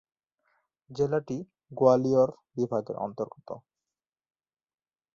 জেলাটি গোয়ালিয়র বিভাগের অন্তর্গত।